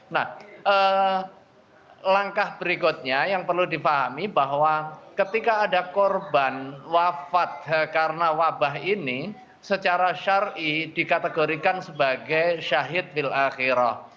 nah langkah berikutnya yang perlu difahami bahwa ketika ada korban wafat karena wabah ini secara syari dikategorikan sebagai syahid bil akhirah